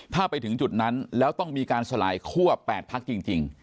ถ้าไปถึงจุดนั้นแล้วต้องมีการสลายคั่ว๘พักจริง